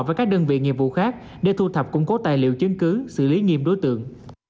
với các đơn vị nghiệp vụ khác để thu thập củng cố tài liệu chứng cứ xử lý nghiêm đối tượng